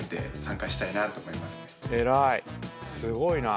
すごいな。